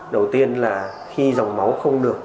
đầu tiên là khi dòng máu không được